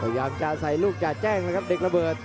พยายามจะใส่ลูกจ่าแจ้งแล้วครับเด็กระเบิด